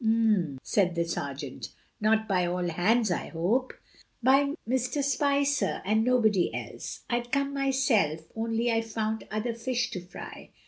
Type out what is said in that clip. "Um!" said the sergeant; "not by all hands, I hope?" "By Mr. Spicer and nobody else. I'd come myself, only I've found other fish to fry.